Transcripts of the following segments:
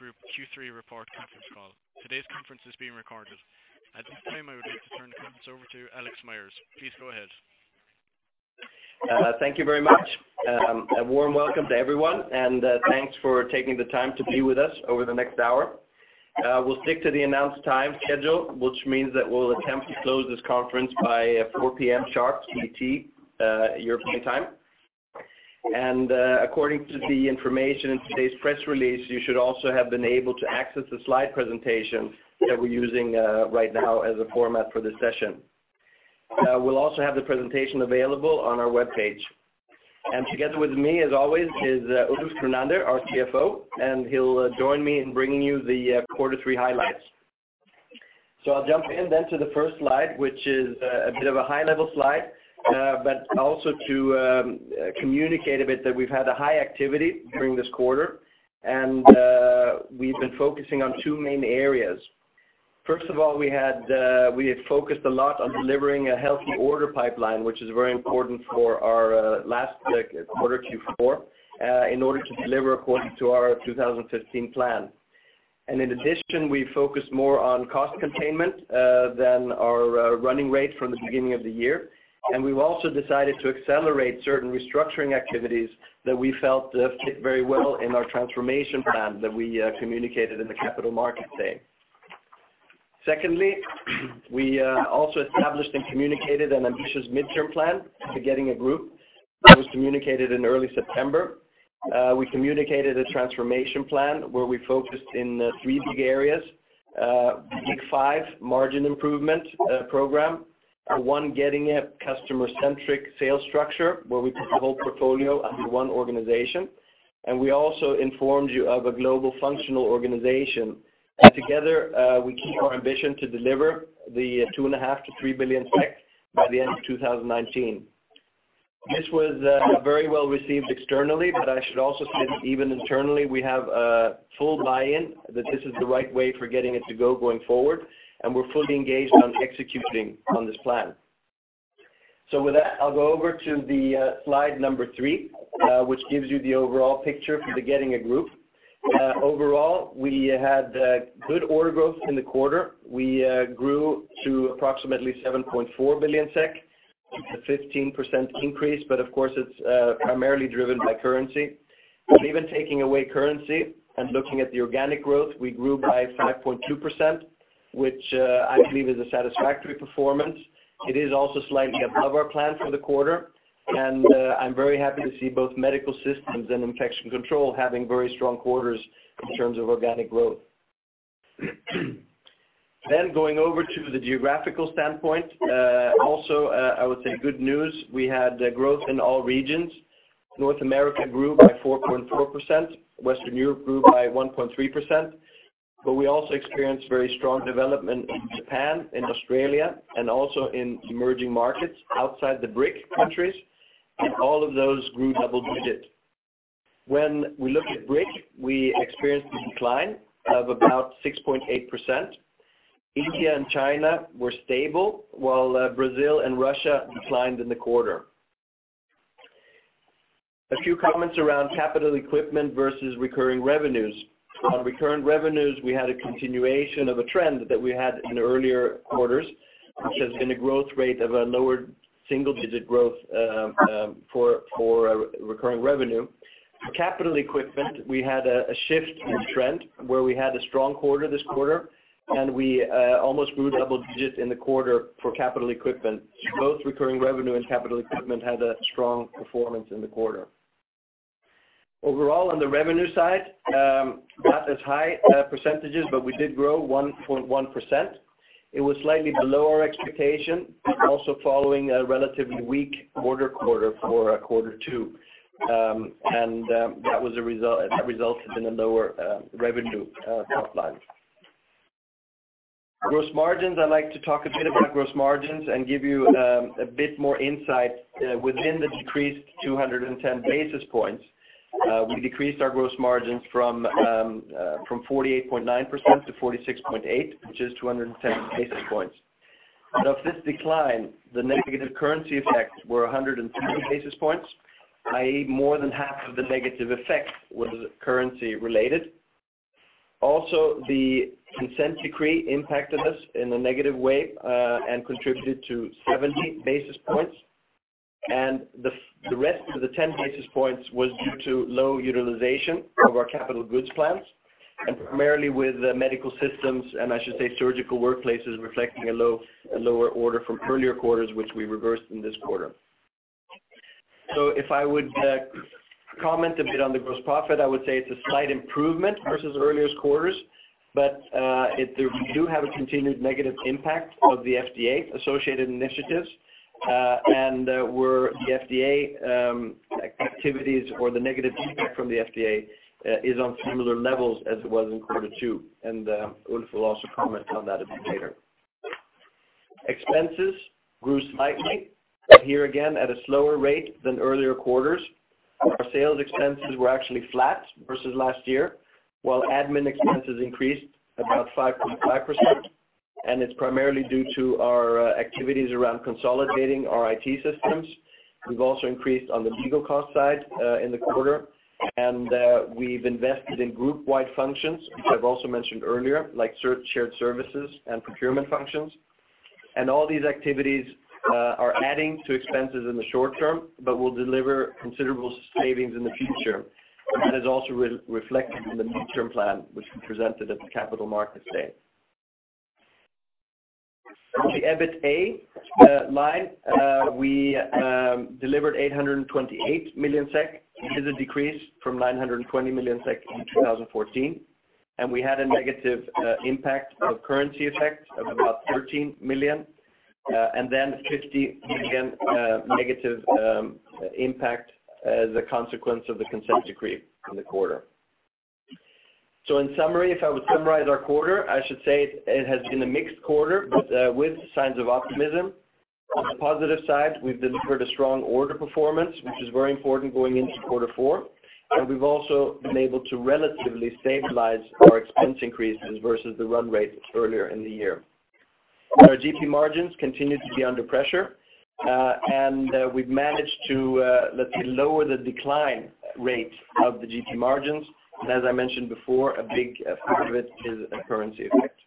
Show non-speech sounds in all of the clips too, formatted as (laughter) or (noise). Hey, and welcome to the Getinge Group Q3 Report Conference Call. Today's conference is being recorded. At this time, I would like to turn the conference over to Alex Myers. Please go ahead. Thank you very much. A warm welcome to everyone, and thanks for taking the time to be with us over the next hour. We'll stick to the announced time schedule, which means that we'll attempt to close this conference by 4:00 P.M. sharp, ET, European time. According to the information in today's press release, you should also have been able to access the slide presentation that we're using right now as a format for this session. We'll also have the presentation available on our webpage. Together with me, as always, is Ulf Grunander, our CFO, and he'll join me in bringing you the quarter three highlights. So I'll jump in then to the first slide, which is, a bit of a high level slide, but also to, communicate a bit that we've had a high activity during this quarter, and, we've been focusing on two main areas. First of all, we had focused a lot on delivering a healthy order pipeline, which is very important for our, last quarter, Q4, in order to deliver according to our 2015 plan. And in addition, we focused more on cost containment, than our, running rate from the beginning of the year. And we've also decided to accelerate certain restructuring activities that we felt fit very well in our transformation plan that we, communicated in the Capital Markets Day. Secondly, we, also established and communicated an ambitious midterm plan to Getinge Group. That was communicated in early September. We communicated a transformation plan where we focused in three big areas, Big 5 margin improvement program, One Getinge customer-centric sales structure, where we put the whole portfolio under one organization, and we also informed you of a global functional organization. Together, we keep our ambition to deliver 2.5 billion-3 billion SEK by the end of 2019. This was very well received externally, but I should also say that even internally, we have a full buy-in, that this is the right way for Getinge to go going forward, and we're fully engaged on executing on this plan. So with that, I'll go over to the slide number three, which gives you the overall picture for the Getinge Group. Overall, we had good order growth in the quarter. We grew to approximately 7.4 billion SEK, a 15% increase, but of course, it's primarily driven by currency. But even taking away currency and looking at the organic growth, we grew by 5.2%, which I believe is a satisfactory performance. It is also slightly above our plan for the quarter, and I'm very happy to see both Medical Systems and Infection Control having very strong quarters in terms of organic growth. Then going over to the geographic standpoint, also, I would say good news, we had growth in all regions. North America grew by 4.4%, Western Europe grew by 1.3%, but we also experienced very strong development in Japan, in Australia, and also in Emerging Markets outside the BRIC countries, and all of those grew double digits. When we look at BRIC, we experienced a decline of about 6.8%. India and China were stable, while Brazil and Russia declined in the quarter. A few comments around capital equipment versus recurring revenues. On recurring revenues, we had a continuation of a trend that we had in earlier quarters, which has been a growth rate of a lower single digit growth for recurring revenue. Capital equipment, we had a shift in trend, where we had a strong quarter this quarter, and we almost grew double digits in the quarter for capital equipment. Both recurring revenue and capital equipment had a strong performance in the quarter. Overall, on the revenue side, not as high percentages, but we did grow 1.1%. It was slightly below our expectation, but also following a relatively weak quarter-over-quarter for quarter two. And that resulted in a lower revenue top line. Gross margins, I'd like to talk a bit about gross margins and give you a bit more insight within the decreased 210 basis points. We decreased our gross margins from 48.9% to 46.8%, which is 210 basis points. Of this decline, the negative currency effects were 103 basis points, i.e., more than half of the negative effect was currency related. Also, the Consent Decree impacted us in a negative way, and contributed to 70 basis points, and the rest of the 10 basis points was due to low utilization of our capital goods plans, and primarily with the Medical Systems, and I should say, Surgical Workplaces, reflecting a lower order from earlier quarters, which we reversed in this quarter. So if I would comment a bit on the gross profit, I would say it's a slight improvement versus earlier quarters, but we do have a continued negative impact of the FDA-associated initiatives, and where the FDA activities or the negative feedback from the FDA is on similar levels as it was in quarter two, and Ulf will also comment on that a bit later. Expenses grew slightly, but here again, at a slower rate than earlier quarters. Our sales expenses were actually flat versus last year, while admin expenses increased about 5.5%... and it's primarily due to our activities around consolidating our IT systems. We've also increased on the legal cost side in the quarter, and we've invested in group-wide functions, which I've also mentioned earlier, like shared services and procurement functions. And all these activities are adding to expenses in the short term, but will deliver considerable savings in the future, and is also reflected in the midterm plan, which we presented at the Capital Markets Day. On the EBITA line, we delivered 828 million SEK, this is a decrease from 920 million SEK in 2014. And we had a negative impact of currency effect of about 13 million, and then 50 million negative impact as a consequence of the Consent Decree in the quarter. So in summary, if I would summarize our quarter, I should say it has been a mixed quarter, but with signs of optimism. On the positive side, we've delivered a strong order performance, which is very important going into quarter four, and we've also been able to relatively stabilize our expense increases versus the run rate earlier in the year. Our GP margins continue to be under pressure, and we've managed to, let's say, lower the decline rate of the GP margins, and as I mentioned before, a big part of it is a currency effect.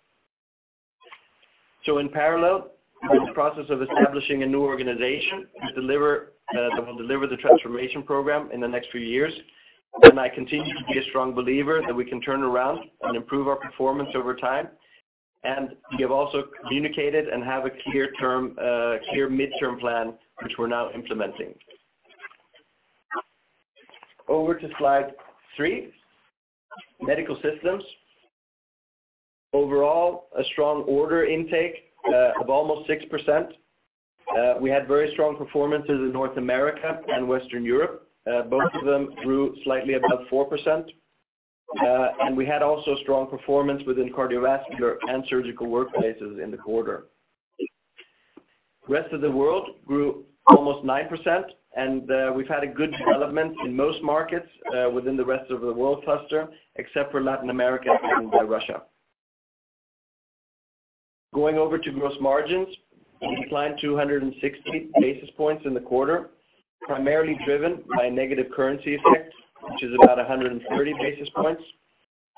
So in parallel, we're in the process of establishing a new organization to deliver, that will deliver the transformation program in the next few years. And I continue to be a strong believer that we can turn around and improve our performance over time. And we have also communicated and have a clear term, clear midterm plan, which we're now implementing. Over to slide 3, Medical Systems. Overall, a strong order intake, of almost 6%. We had very strong performances in North America and Western Europe. Both of them grew slightly above 4%. And we had also strong performance within Cardiovascular and Surgical Workplaces in the quarter. Rest of the world grew almost 9%, and, we've had a good development in most markets, within the Rest of the World cluster, except for Latin America and Russia. Going over to gross margins, we declined 260 basis points in the quarter, primarily driven by negative currency effect, which is about 130 basis points.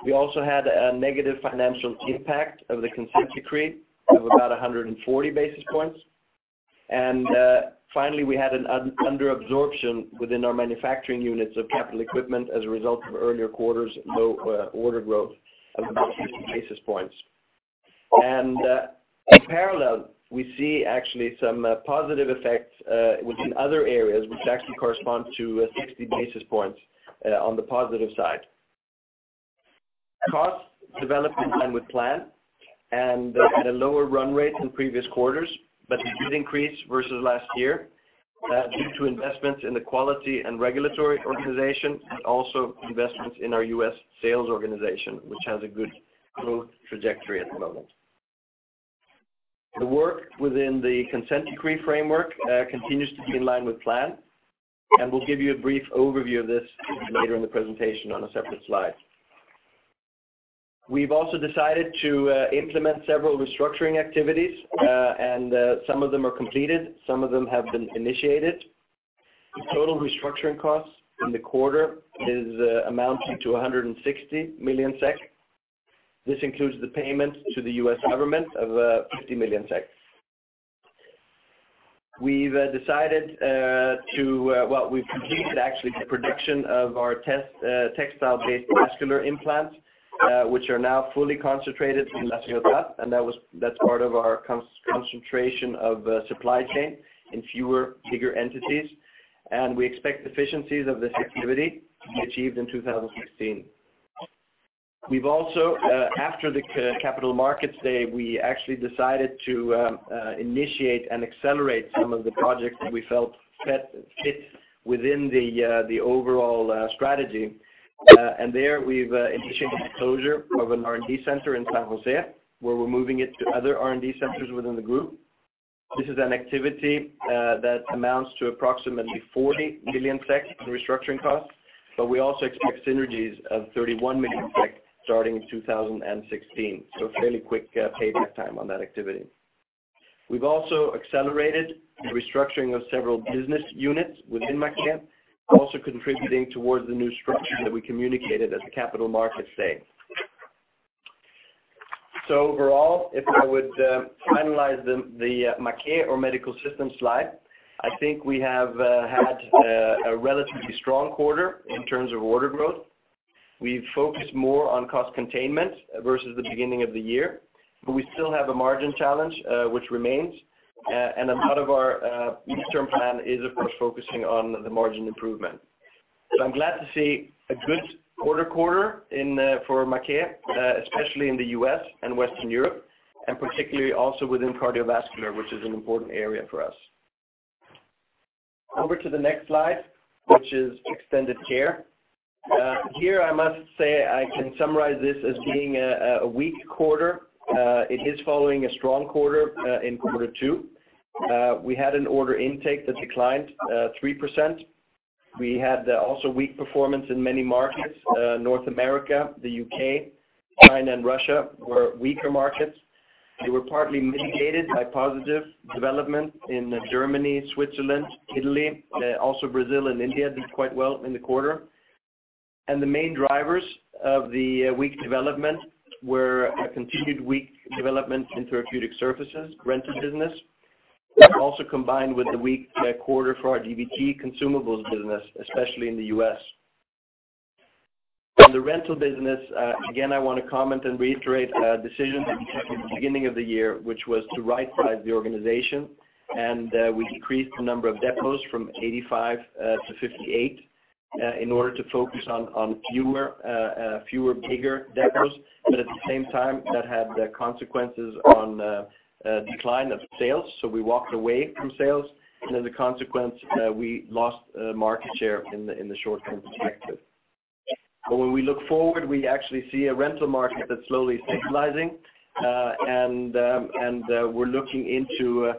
We also had a negative financial impact of the Consent Decree of about 140 basis points. And, finally, we had under absorption within our manufacturing units of capital equipment as a result of earlier quarters' low order growth of basis points. And, in parallel, we see actually some positive effects within other areas, which actually correspond to 60 basis points on the positive side. Costs developed in line with plan and, at a lower run rate than previous quarters, but it did increase versus last year, due to investments in the quality and regulatory organization, and also investments in our U.S. sales organization, which has a good growth trajectory at the moment. The work within the Consent Decree framework continues to be in line with plan, and we'll give you a brief overview of this later in the presentation on a separate slide. We've also decided to implement several restructuring activities, and some of them are completed, some of them have been initiated. The total restructuring costs in the quarter is amounting to 160 million SEK. This includes the payment to the U.S. government of 50 million SEK. We've decided to, well, we've completed actually the production of our textile-based vascular implant, which are now fully concentrated in Latin America, and that's part of our concentration of supply chain in fewer, bigger entities. We expect efficiencies of this activity to be achieved in 2016. We've also after the Capital Markets Day, we actually decided to initiate and accelerate some of the projects that we felt fit within the overall strategy. And there we've initiated the closure of an R&D center in San Jose, where we're moving it to other R&D centers within the group. This is an activity that amounts to approximately 40 million SEK in restructuring costs, but we also expect synergies of 31 million SEK starting in 2016. So a fairly quick payback time on that activity. We've also accelerated the restructuring of several business units within Maquet, also contributing towards the new structure that we communicated at the Capital Markets Day. So overall, if I would finalize the Maquet or Medical Systems slide, I think we have had a relatively strong quarter in terms of order growth. We've focused more on cost containment versus the beginning of the year, but we still have a margin challenge which remains, and a lot of our midterm plan is, of course, focusing on the margin improvement. So I'm glad to see a good quarter in for Maquet, especially in the U.S. and Western Europe, and particularly also within cardiovascular, which is an important area for us. Over to the next slide, which is Extended Care. Here, I must say, I can summarize this as being a weak quarter. It is following a strong quarter in quarter two. We had an order intake that declined 3%. We had also weak performance in many markets. North America, the U.K., China, and Russia were weaker markets. They were partly mitigated by positive development in Germany, Switzerland, Italy. Also Brazil and India did quite well in the quarter. The main drivers of the weak development were a continued weak development in therapeutic services, rental business, also combined with the weak quarter for our DVT consumables business, especially in the U.S. On the rental business, again, I want to comment and reiterate a decision we took at the beginning of the year, which was to right-size the organization, and we decreased the number of depots from 85 to 58 in order to focus on fewer bigger depots. But at the same time, that had consequences on a decline of sales. So we walked away from sales, and as a consequence, we lost market share in the short-term perspective. But when we look forward, we actually see a rental market that's slowly stabilizing. And we're looking into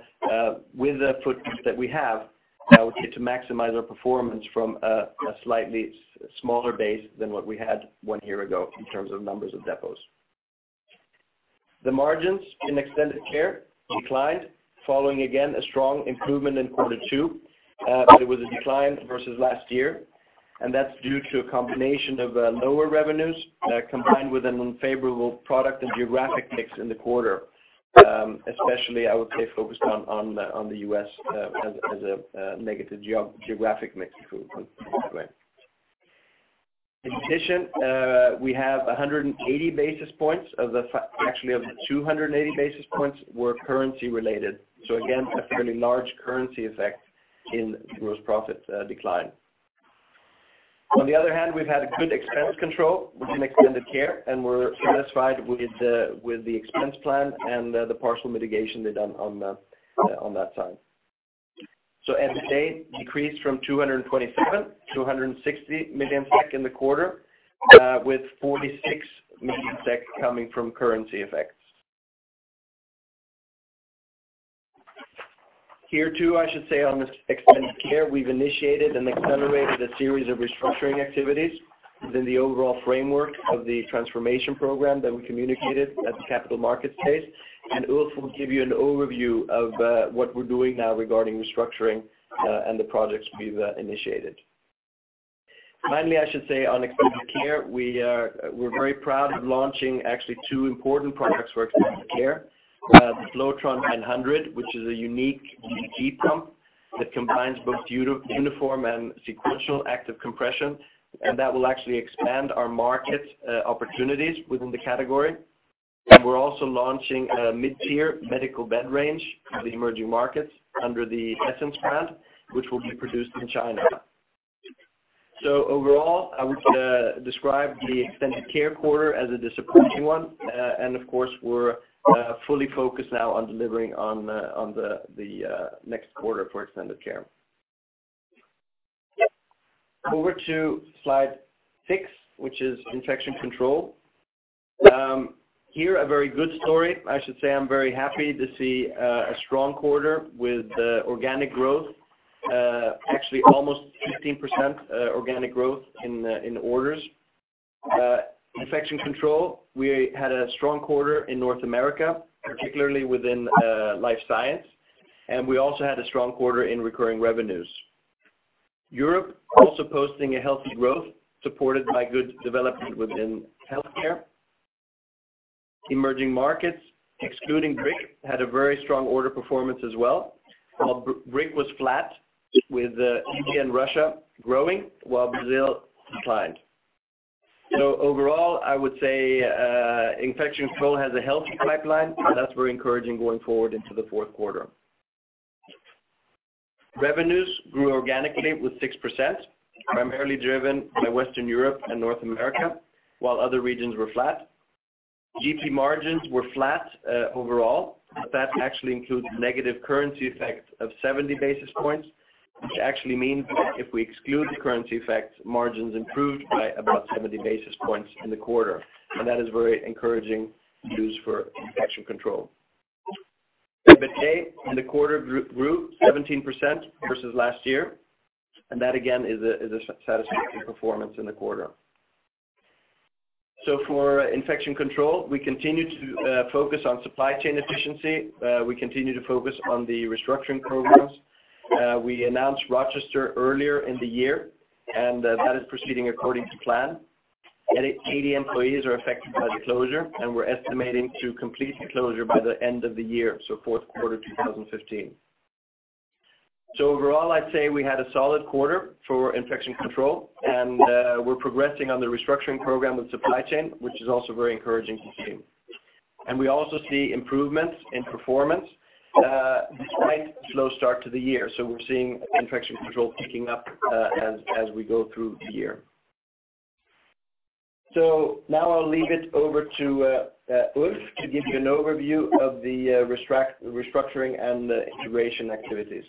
with the footprint that we have, we need to maximize our performance from a slightly smaller base than what we had one year ago in terms of numbers of depots. The margins in Extended Care declined, following again, a strong improvement in quarter two. But it was a decline versus last year, and that's due to a combination of, lower revenues, combined with an unfavorable product and geographic mix in the quarter. Especially, I would say, focused on the U.S., as a negative geographic mix, if you want to put it that way. In addition, we have 180 basis points of the, actually, of the 280 basis points were currency related. So again, a fairly large currency effect in gross profit decline. On the other hand, we've had a good expense control within Extended Care, and we're satisfied with the expense plan and the partial mitigation we done on that side. EBITDA decreased from 227 million SEK to SEK 160 million in the quarter, with 46 million SEK coming from currency effects. Here, too, I should say on this Extended Care, we've initiated and accelerated a series of restructuring activities within the overall framework of the transformation program that we communicated at the Capital Markets Day. And Ulf will give you an overview of what we're doing now regarding restructuring and the projects we've initiated. Finally, I should say on Extended Care, we're very proud of launching actually two important products for Extended Care. The Flowtron 900, which is a unique DVT pump that combines both uniform and sequential active compression, and that will actually expand our market opportunities within the category. We're also launching a mid-tier medical bed range for the emerging markets under the Essence brand, which will be produced in China. So overall, I would describe the Extended Care quarter as a disappointing one. And of course, we're fully focused now on delivering on the next quarter for Extended Care. Over to slide six, which is Infection Control. Here, a very good story. I should say I'm very happy to see a strong quarter with organic growth, actually almost 15% organic growth in the orders. Infection Control, we had a strong quarter in North America, particularly within Life Science and, we also had a strong quarter in recurring revenues. Europe also posting a healthy growth, supported by good development within Healthcare. Emerging markets, excluding BRIC, had a very strong order performance as well. While BRIC was flat, with India and Russia growing, while Brazil declined. So overall, I would say, Infection control has a healthy pipeline, and that's very encouraging going forward into the Q4. Revenues grew organically with 6%, primarily driven by Western Europe and North America, while other regions were flat. GP margins were flat, overall, but that actually includes negative currency effect of seventy basis points, which actually means that if we exclude the currency effects, margins improved by about seventy basis points in the quarter, and that is very encouraging news for Infection control. EBITDA in the quarter grew 17% versus last year, and that again, is a satisfactory performance in the quarter. So for Infection control, we continue to focus on supply chain efficiency. We continue to focus on the restructuring programs. We announced Rochester earlier in the year, and that is proceeding according to plan. 80 employees are affected by the closure, and we're estimating to complete the closure by the end of the year, so Q4 2015. Overall, I'd say we had a solid quarter for Infection Control, and we're progressing on the restructuring program with supply chain, which is also very encouraging to see. We also see improvements in performance, despite the slow start to the year. We're seeing Infection Control picking up, as we go through the year. Now I'll leave it over to Ulf to give you an overview of the restructuring and the integration activities.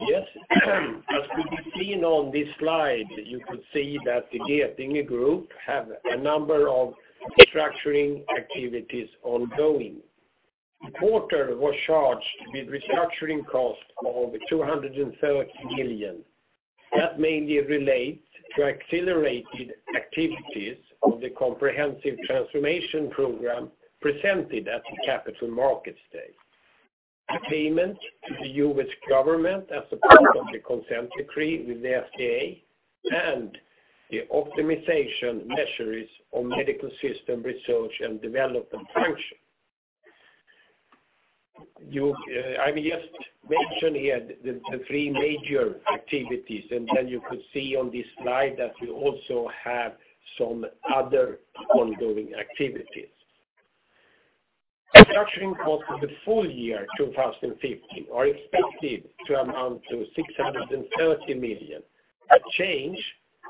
Yes, As could be seen on this slide, you could see that the Getinge Group have a number of restructuring activities ongoing.... The quarter was charged with restructuring costs of 230 million. That mainly relates to accelerated activities of the comprehensive transformation program presented at the Capital Markets Day, the payment to the U.S. government as a part of the Consent Decree with the FDA, and the optimization measures on Medical Systems research and development function. You, I just mentioned here the three major activities, and then you could see on this slide that we also have some other ongoing activities. Restructuring costs for the full year 2015 are expected to amount to 630 million, a change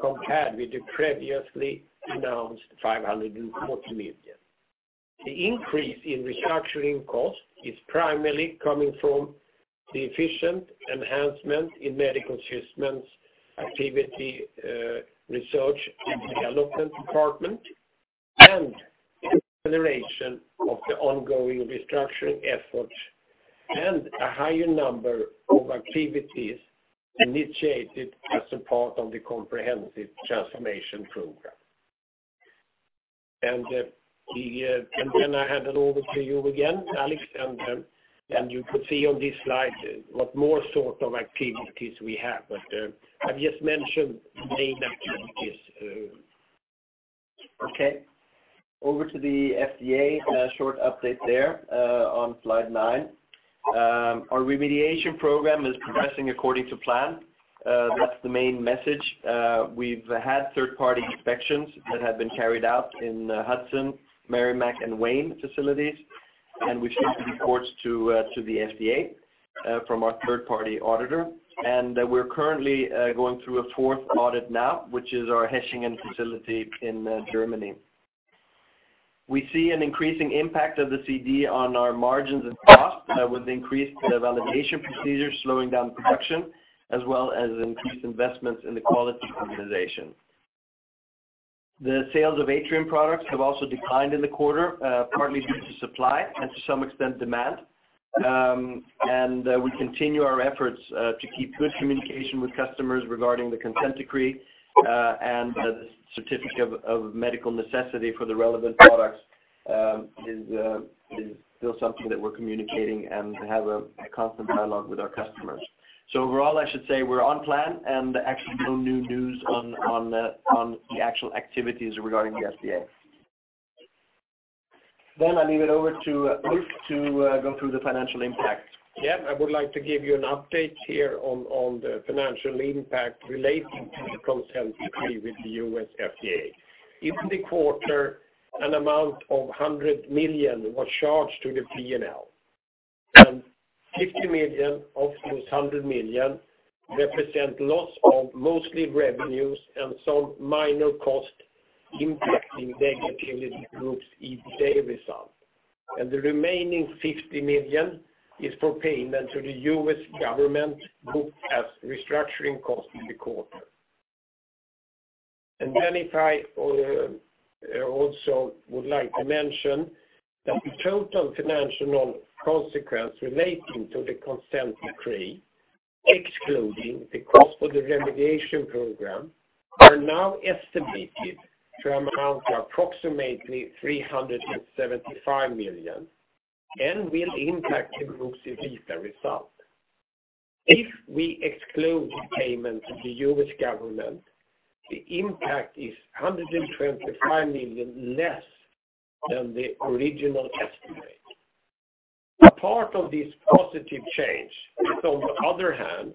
compared with the previously announced 540 million. The increase in restructuring costs is primarily coming from the efficient enhancement in Medical Systems, activity, research and development department, and the acceleration of the ongoing restructuring efforts, and a higher number of activities initiated as a part of the comprehensive transformation program. And, the, and then I hand it over to you again, Alex, and, and you could see on this slide what more sort of activities we have, but, I've just mentioned the main activities. Okay, over to the FDA, short update there, on slide 9. Our remediation program is progressing according to plan. That's the main message. We've had third-party inspections that have been carried out in the Hudson, Merrimack, and Wayne facilities, and we've seen the reports to, to the FDA, from our third-party auditor. We're currently going through a fourth audit now, which is our Hechingen facility in, Germany. We see an increasing impact of the CD on our margins and costs, with increased validation procedures, slowing down production, as well as increased investments in the quality organization. The sales of Atrium products have also declined in the quarter, partly due to supply and to some extent, demand. And we continue our efforts to keep good communication with customers regarding the Consent Decree, and the Certificate of Medical Necessity for the relevant products is still something that we're communicating and have a constant dialogue with our customers. So overall, I should say we're on plan, and actually no new news on the actual activities regarding the FDA. Then I leave it over to Ulf to go through the financial impact. Yeah, I would like to give you an update here on, on the financial impact relating to the Consent Decree with the U.S. FDA. In the quarter, an amount of 100 million was charged to the P&L, and 50 million of those 100 million represent loss of mostly revenues and some minor cost impacting negatively group's EBITDA result. And the remaining 50 million is for payment to the U.S. government, booked as restructuring costs in the quarter. And then if I also would like to mention that the total financial consequence relating to the Consent Decree, excluding the cost of the remediation program, are now estimated to amount to approximately 375 million and will impact the group's EBITDA result. If we exclude the payment to the U.S. government, the impact is 125 million less than the original estimate. A part of this positive change is, on the other hand,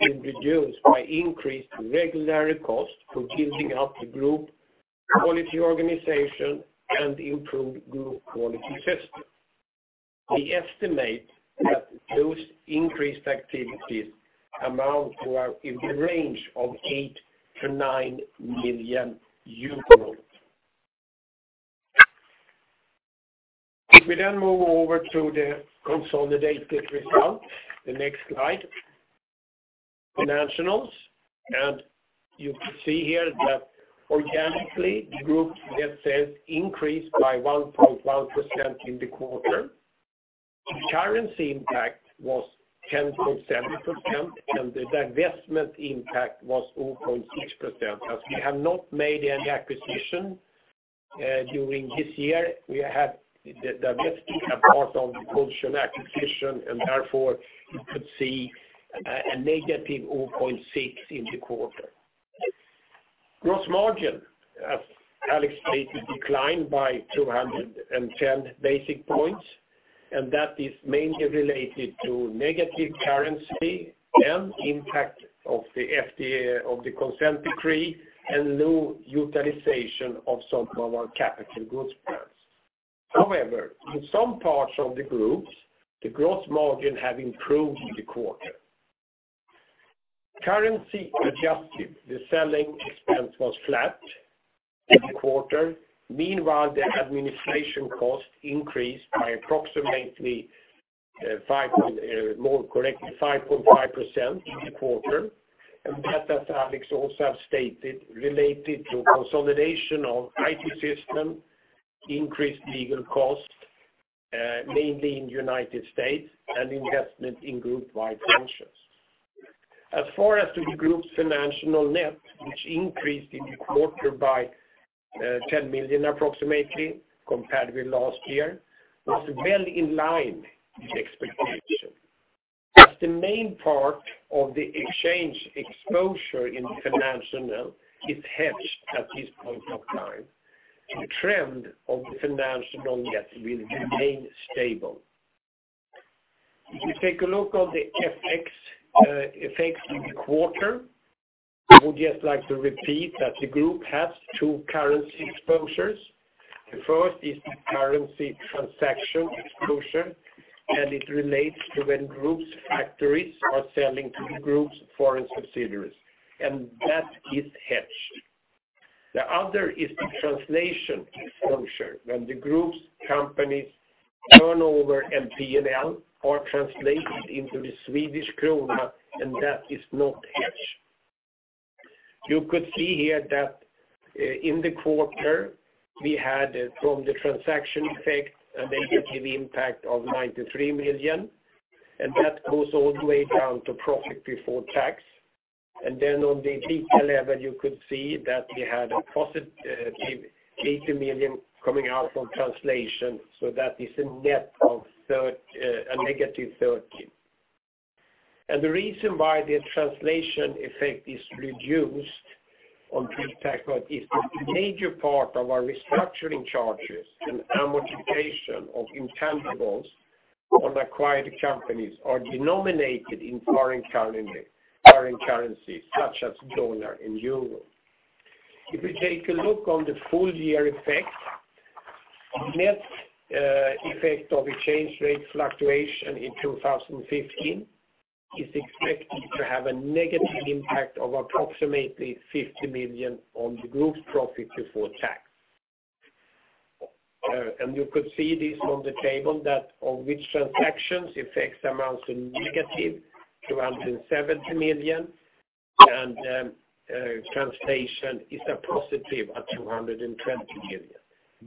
introduced by increased regulatory costs for building up the group quality organization and improved group quality system. We estimate that those increased activities amount to in the range of 8 million-9 million euros. If we then move over to the consolidated results, the next slide, financials, and you can see here that organically, the group net sales increased by 1.1% in the quarter. The currency impact was 10.7%, and the divestment impact was 0.6%. As we have not made any acquisition during this year, we have the divesting a part of the Pulsion acquisition, and therefore, you could see a negative 0.6% in the quarter. Gross margin, as Alex stated, declined by 210 basis points, and that is mainly related to negative currency and impact of the FDA, of the Consent Decree and low utilization of some of our capital goods plants. However, in some parts of the groups, the gross margin have improved in the quarter. Currency adjusted, the selling expense was flat in the quarter. Meanwhile, the administration cost increased by approximately five point, more correctly, 5.5% in the quarter, and that, as Alex also have stated, related to consolidation of IT system, increased legal costs, mainly in United States, and investment in group-wide functions. As far as to the group's financial net, which increased in the quarter by 10 million approximately compared with last year, was well in line with expectation. As the main part of the exchange exposure in financial net is hedged at this point of time, the trend of the financial net will remain stable. If you take a look on the FX effects in the quarter, I would just like to repeat that the group has two currency exposures. The first is the currency transaction exposure, and it relates to when group's factories are selling to the group's foreign subsidiaries, and that is hedged. The other is the translation exposure, when the group's companies turnover and PNL are translated into the Swedish krona, and that is not hedged. You could see here that, in the quarter, we had, from the transaction effect, a negative impact of 93 million, and that goes all the way down to profit before tax. Then on the detail level, you could see that we had a negative million coming out from translation, so that is a net of a negative 30. And the reason why the translation effect is reduced on pre-tax is the major part of our restructuring charges and amortization of intangibles on acquired companies are denominated in foreign currency, foreign currencies, such as the U.S. dollar and the euro. If we take a look on the full year effect, net, effect of exchange rate fluctuation in 2015 is expected to have a negative impact of approximately 50 million on the group's profit before tax. and you could see this on the table that of which transactions effects amounts to negative 270 million, and, translation is a positive of 220 million,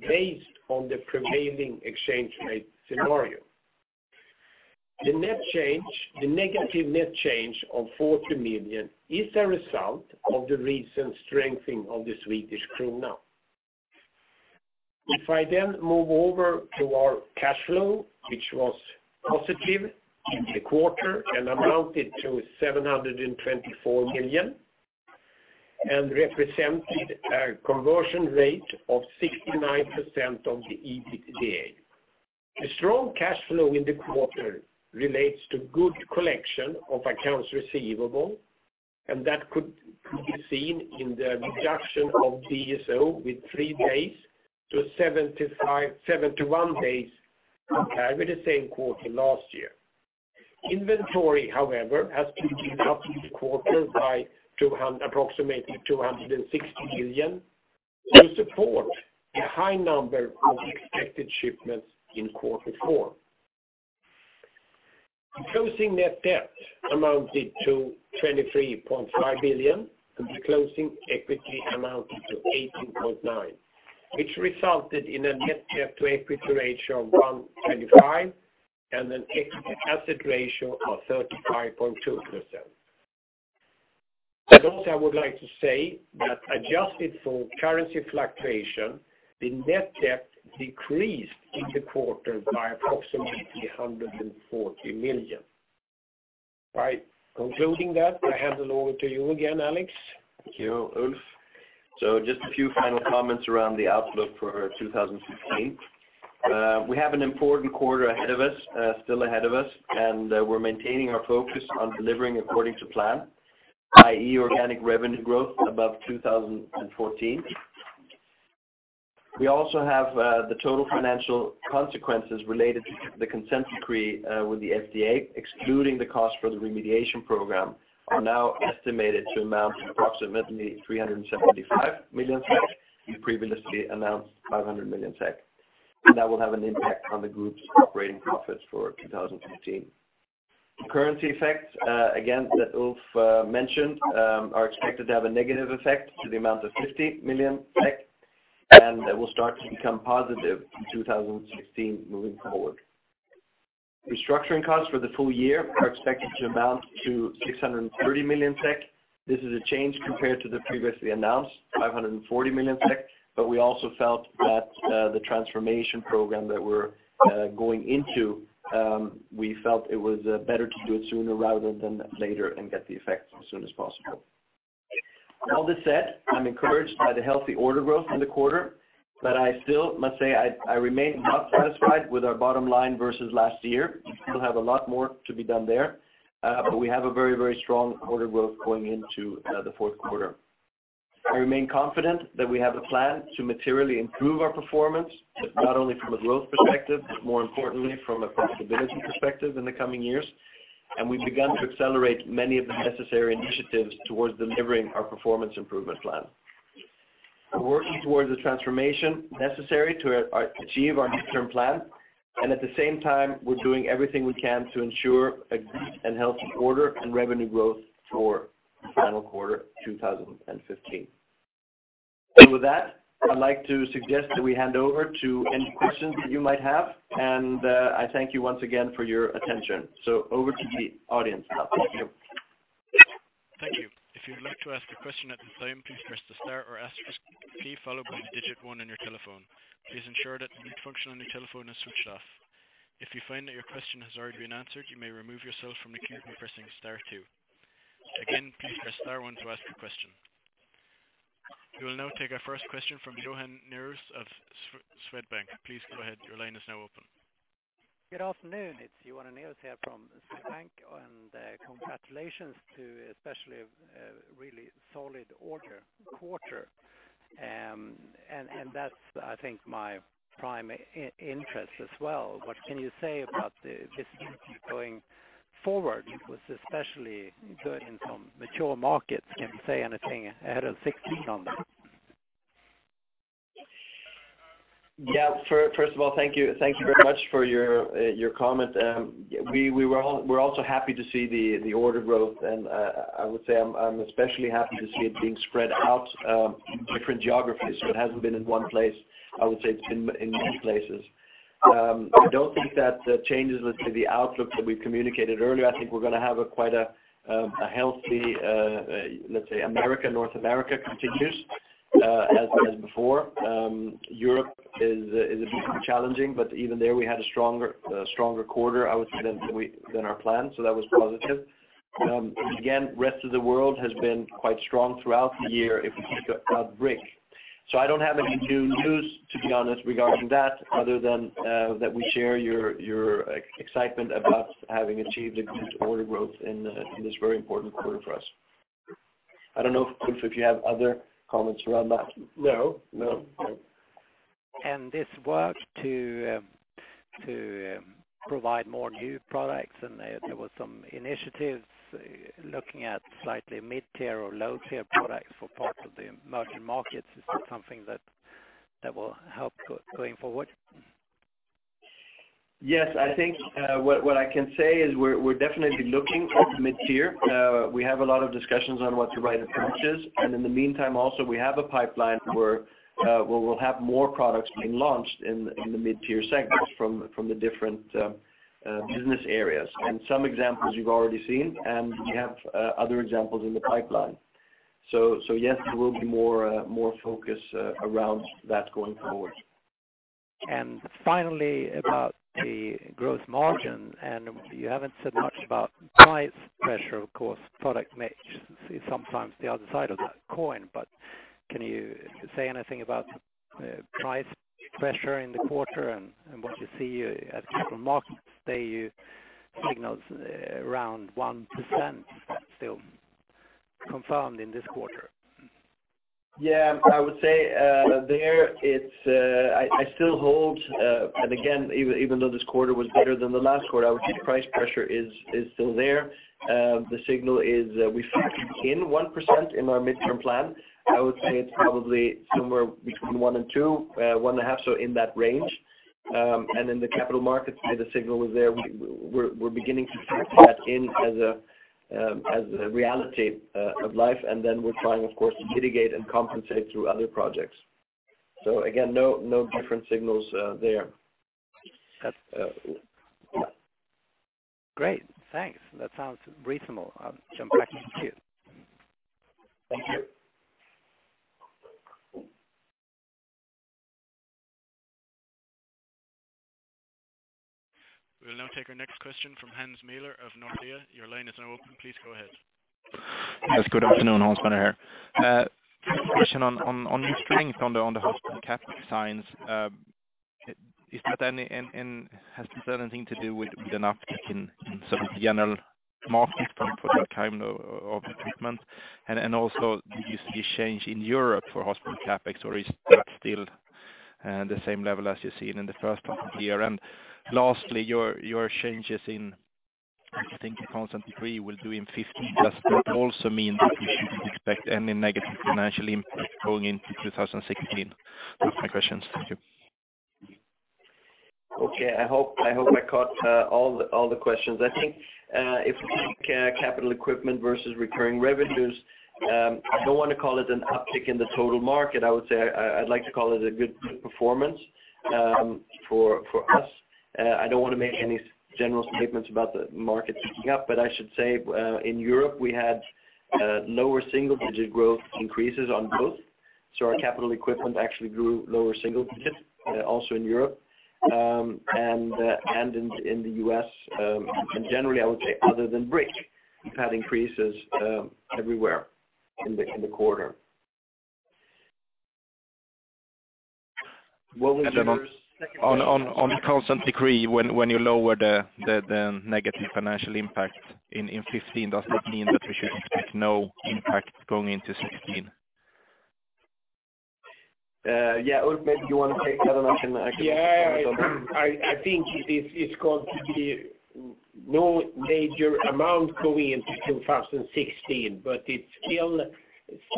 based on the prevailing exchange rate scenario. The net change, the negative net change of 40 million is a result of the recent strengthening of the Swedish krona. If I then move over to our cash flow, which was positive in the quarter and amounted to 724 million, and represented a conversion rate of 69% of the EBITDA. The strong cash flow in the quarter relates to good collection of accounts receivable, and that could be seen in the reduction of DSO with 3 days to 75 -- 71 days compared with the same quarter last year. Inventory, however, has increased up this quarter by approximately 260 million to support the high number of expected shipments in quarter four. Closing net debt amounted to 23.5 billion, and the closing equity amounted to 18.9 billion, which resulted in a net debt to equity ratio of 1.25, and an equity asset ratio of 35.2%. Also, I would like to say that adjusted for currency fluctuation, the net debt decreased in the quarter by approximately 140 million. All right, concluding that, I hand it over to you again, Alex. Thank you, Ulf. So just a few final comments around the outlook for 2016. We have an important quarter ahead of us, still ahead of us, and we're maintaining our focus on delivering according to plan, i.e., organic revenue growth above 2014. We also have the total financial consequences related to the Consent Decree with the FDA, excluding the cost for the remediation program, are now estimated to amount to approximately 375 million SEK, the previously announced 500 million SEK, and that will have an impact on the group's operating profits for 2015. The currency effects, again, that Ulf mentioned, are expected to have a negative effect to the amount of 50 million, and they will start to become positive in 2016 moving forward. Restructuring costs for the full year are expected to amount to 630 million. This is a change compared to the previously announced 540 million, but we also felt that, the transformation program that we're, going into, we felt it was, better to do it sooner rather than later and get the effects as soon as possible. All this said, I'm encouraged by the healthy order growth in the quarter, but I still must say I, I remain not satisfied with our bottom line versus last year. We still have a lot more to be done there, but we have a very, very strong order growth going into, the Q4. I remain confident that we have a plan to materially improve our performance, not only from a growth perspective, but more importantly, from a profitability perspective in the coming years. And we've begun to accelerate many of the necessary initiatives towards delivering our performance improvement plan.... We're working towards the transformation necessary to achieve our near-term plan, and at the same time, we're doing everything we can to ensure a good and healthy order and revenue growth for the final quarter of 2015. And with that, I'd like to suggest that we hand over to any questions that you might have, and I thank you once again for your attention. So over to the audience now. Thank you. Thank you. If you'd like to ask a question at this time, please press the star or asterisk key, followed by the digit one on your telephone. Please ensure that the mute function on your telephone is switched off. If you find that your question has already been answered, you may remove yourself from the queue by pressing star two. Again, please press star one to ask your question. We will now take our first question from Johan Nerhus of Swedbank. Please go ahead. Your line is now open. Good afternoon. It's Johan Nerhus here from Swedbank, and congratulations to especially a really solid order quarter. And that's, I think, my prime interest as well. What can you say about this going forward? It was especially good in some mature markets. Can you say anything ahead of sixteen on that? Yeah. First, first of all, thank you. Thank you very much for your, your comment. We, we were all- we're also happy to see the, the order growth, and, I would say I'm, I'm especially happy to see it being spread out, different geographies, so it hasn't been in one place. I would say it's been in many places. I don't think that changes, let's say, the outlook that we've communicated earlier. I think we're gonna have a quite a, a healthy, let's say, America, North America continues, as, as before. Europe is, is a bit challenging, but even there, we had a stronger, a stronger quarter, I would say, than we, than our plan, so that was positive. Again, rest of the world has been quite strong throughout the year, if we think about BRIC. So I don't have any new news, to be honest, regarding that, other than that we share your excitement about having achieved a good order growth in in this very important quarter for us. I don't know, Ulf, if you have other comments around that. No, no. This worked to provide more new products, and there were some initiatives looking at slightly mid-tier or low-tier products for parts of the emerging markets. Is this something that will help going forward? Yes, I think, what, what I can say is we're, we're definitely looking at the mid-tier. We have a lot of discussions on what the right approach is, and in the meantime, also, we have a pipeline where, where we'll have more products being launched in, in the mid-tier segments from, from the different, business areas. And some examples you've already seen, and we have, other examples in the pipeline. So, so, yes, there will be more, more focus, around that going forward. And finally, about the growth margin, and you haven't said much about price pressure, of course, product mix is sometimes the other side of that coin. But can you say anything about price pressure in the quarter and what you see at Capital Markets Day, the signals around 1% still confirmed in this quarter? Yeah, I would say, there it is, I still hold, and again, even though this quarter was better than the last quarter, I would say price pressure is still there. The signal is, we factor in 1% in our midterm plan. I would say it's probably somewhere between 1 and 2, 1.5, so in that range. And in the Capital Markets Day the signal was there, we're beginning to take that in as a, as a reality of life, and then we're trying, of course, to mitigate and compensate through other projects. So again, no different signals there. That's... Great. Thanks. That sounds reasonable. I'll jump back to you. Thank you. We'll now take our next question from Hans Mähler of Nordea. Your line is now open. Please go ahead. Yes, good afternoon, Hans Mähler here. Question on the strength on the hospital CapEx signs. Is that any, and has this anything to do with an uptick in sort of general markets from product time of treatment? And also, do you see a change in Europe for hospital CapEx, or is that still the same level as you seen in the first part of the year? And lastly, your changes in, I think, Consent Decree will do in 2015, does that also mean that you shouldn't expect any negative financial impact going into 2016? Those are my questions. Thank you. Okay. I hope, I hope I caught all the questions. I think, if we look at capital equipment versus recurring revenues, I don't want to call it an uptick in the total market. I would say I'd like to call it a good performance for us. I don't want to make any general statements about the market picking up, but I should say, in Europe, we had lower single-digit growth increases on both. So our capital equipment actually grew lower single digits, also in Europe, and in the U.S.. And generally, I would say other than BRIC, we've had increases everywhere in the quarter. What was your second- On Consent Decree, when you lower the negative financial impact in 2015, does that mean that we should expect no impact going into 2016? Yeah, or maybe you want to take that and I can. Yeah, I think it's going to be no major amount going into 2016, but it's still,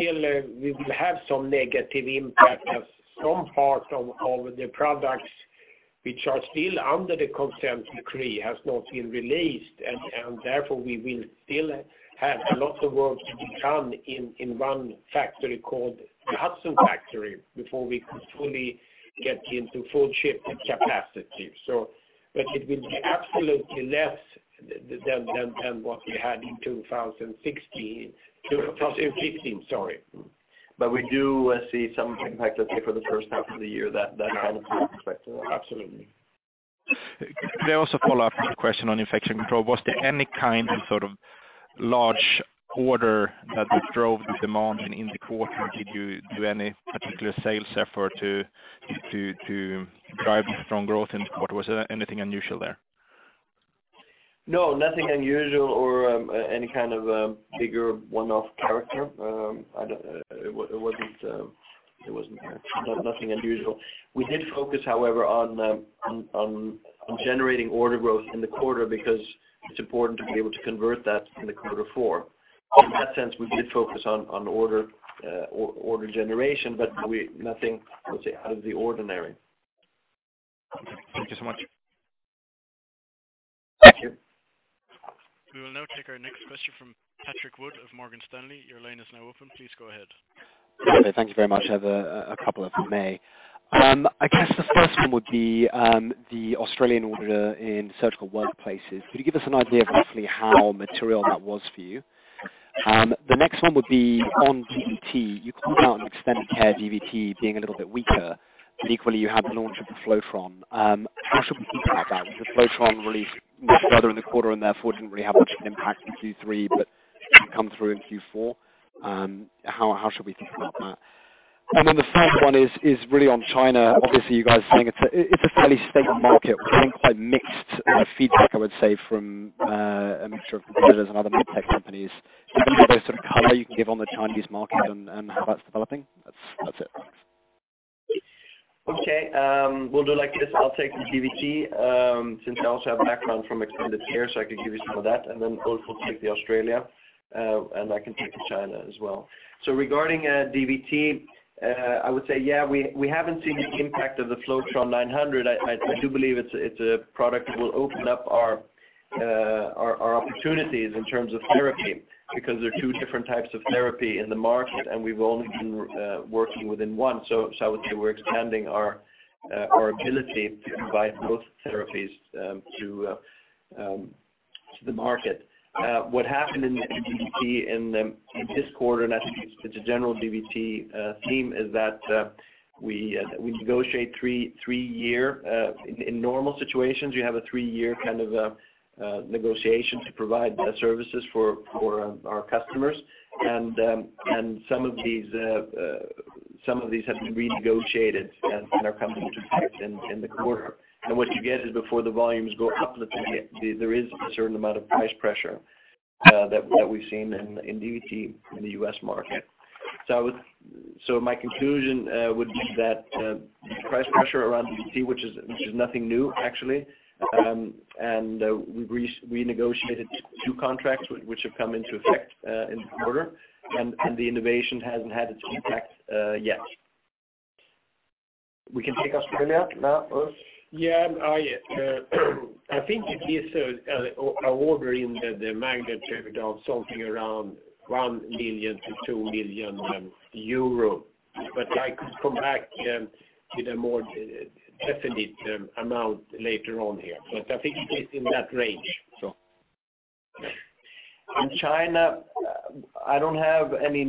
we will have some negative impact as some part of the products which are still under the Consent Decree has not been released, and therefore, we will still have a lot of work to be done in one factory called the Hudson factory, before we could fully get into full shipping capacity. So, but it will be absolutely less than what we had in 2016, 2015, sorry. But we do see some impact, let's say, for the first half of the year, that had an impact, absolutely. Can I also follow up with a question on Infection Control? Was there any kind of sort of large order that drove the demand in the quarter? Did you do any particular sales effort to drive strong growth in quarter? Was there anything unusual there? No, nothing unusual or any kind of bigger one-off character. It wasn't there. No, nothing unusual. We did focus, however, on generating order growth in the quarter, because it's important to be able to convert that in quarter four. In that sense, we did focus on order generation, but nothing, I would say, out of the ordinary. Thank you so much. Thank you. We will now take our next question from Patrick Wood of Morgan Stanley. Your line is now open. Please go ahead. Thank you very much. I have a couple, if I may. I guess the first one would be the Australian order in Surgical Workplaces. Could you give us an idea of roughly how material that was for you? The next one would be on DVT. You called out an extended care DVT being a little bit weaker, and equally, you had the launch of the Flowtron. How should we think about that? Was the Flowtron released much further in the quarter and therefore didn't really have much impact in Q3, but it come through in Q4? How should we think about that? And then the third one is really on China. Obviously, you guys are saying it's a fairly stable market, but quite mixed feedback, I would say, from a mixture of competitors and other med tech companies. Is there some color you can give on the Chinese market and, and how that's developing? That's, that's it. Okay, we'll do like this. I'll take the DVT, since I also have background from Extended Care, so I can give you some of that, and then also take the Australia, and I can take the China as well. So regarding DVT, I would say, yeah, we haven't seen the impact of the Flowtron 900. I do believe it's a product that will open up our opportunities in terms of therapy, because there are two different types of therapy in the market, and we've only been working within one. So I would say we're expanding our ability to provide both therapies to the market. What happened in the DVT in this quarter, and I think it's a general DVT theme, is that we negotiate three-year, in normal situations, you have a three-year kind of a negotiation to provide the services for our customers. And some of these have been renegotiated and are coming into effect in the quarter. And what you get is before the volumes go up, there is a certain amount of price pressure that we've seen in DVT in the U.S. market. So my conclusion would be that price pressure around DVT, which is nothing new, actually, and we renegotiated two contracts which have come into effect in the quarter, and the innovation hasn't had its impact yet. We can take Australia now, Ulf? Yeah, I think it is an order in the magnitude of something around 1 million-2 million euro. But I could come back with a more definite amount later on here, but I think it is in that range, so. In China, I don't have any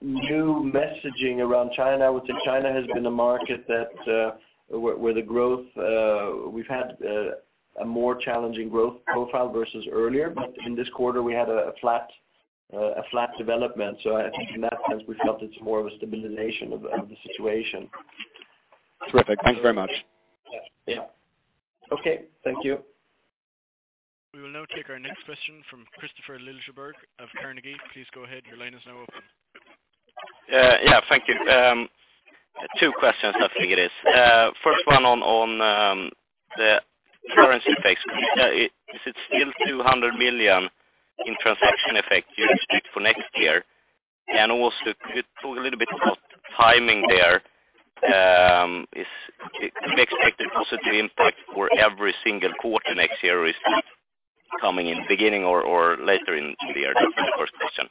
new messaging around China. I would say China has been a market that, where the growth we've had a more challenging growth profile versus earlier, but in this quarter, we had a flat development. So I think in that sense, we felt it's more of a stabilization of the situation. Terrific. Thanks very much. Yeah. Okay, thank you. We will now take our next question from Kristofer Liljeberg of Carnegie. Please go ahead. Your line is now open. Yeah, thank you. Two questions, I think it is. First one on the currency effects. Is it still 200 million in transaction effect you expect for next year? And also, could you talk a little bit about timing there? Do you expect a positive impact for every single quarter next year, is it coming in beginning or later in the year? That's the first question.